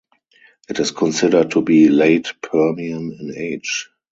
It is considered to be Late Permian in age.